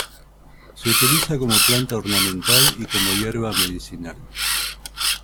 Se utiliza como planta ornamental y como hierba medicinal.